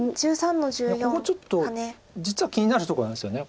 ここちょっと実は気になるとこなんですよね。